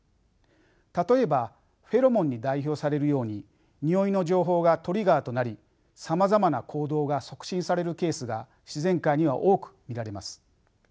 例えばフェロモンに代表されるようににおいの情報がトリガーとなりさまざまな行動が促進されるケースが自然界には多く見られます。